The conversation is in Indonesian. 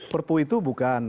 perpu itu bukan